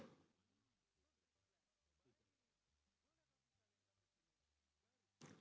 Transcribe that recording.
dan jawabannya saat itu saya jawab tidak usah lockdown